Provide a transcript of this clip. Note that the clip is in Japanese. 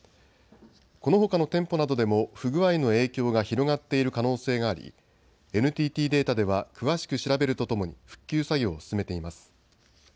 このほかの店舗などでも不具合の影響が広がっている可能性がありＮＴＴデータでは詳しく調べるとともに復旧作業を進めています。